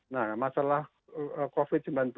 nah masalah covid sembilan belas